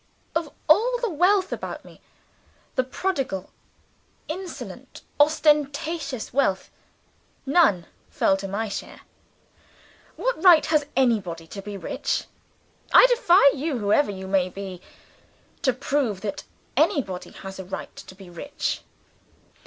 Of all the wealth about me the prodigal, insolent, ostentatious wealth none fell to my share. What right has anybody to be rich? I defy you, whoever you may be, to prove that anybody has a right to be rich.